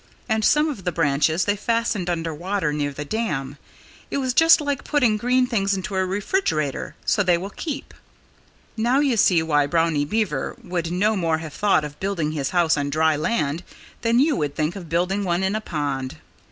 And some of the branches they fastened under water, near the dam. It was just like putting green things into a refrigerator, so they will keep. Now you see why Brownie Beaver would no more have thought of building his house on dry land than you would think of building one in a pond.